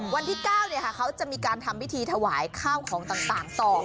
วันที่๙เขาจะมีการทำพิธีถวายข้าวของต่างต่อ